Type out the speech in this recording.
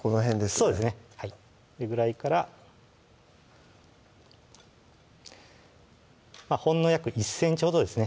そうですねそれぐらいからほんの約１ｃｍほどですね